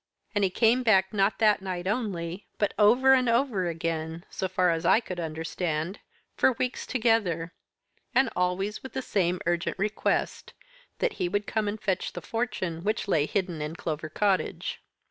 And he came back not that night only, but over and over again, so far as I could understand, for weeks together, and always with the same urgent request, that he would come and fetch the fortune which lay hidden in Clover Cottage.